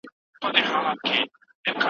بیا به ګل د ارغوان وي ته به یې او زه به نه یم